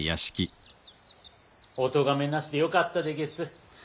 おとがめなしでよかったでげす。